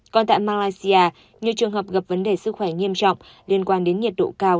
còn tại malaysia nhiều trường hợp gặp vấn đề sức khỏe nghiêm trọng liên quan đến nhiệt độ cao